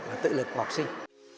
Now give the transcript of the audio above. đó là tự lực học sinh